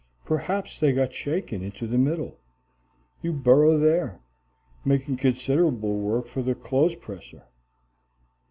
Perhaps they got shaken into the middle. You burrow there, making considerable work for the clothes presser.